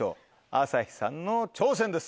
朝日さんの挑戦です。